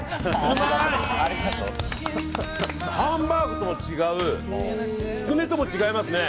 ハンバーグとも違うつくねとも違いますね。